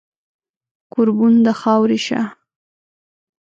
کوربون د خاورې شه